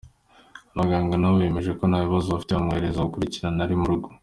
Abaganga na bo bemeje ko nta kibazo afite bamwohereza gukurikiranwa ari mu rugo.